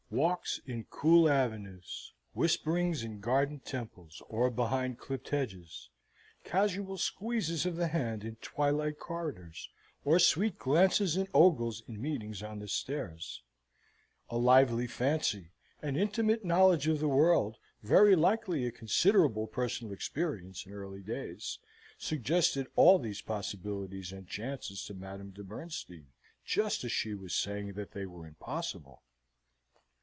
Walks in cool avenues, whisperings in garden temples, or behind clipt hedges, casual squeezes of the hand in twilight corridors, or sweet glances and ogles in meetings on the stairs, a lively fancy, an intimate knowledge of the world, very likely a considerable personal experience in early days, suggested all these possibilities and chances to Madame de Bernstein, just as she was saying that they were impossible.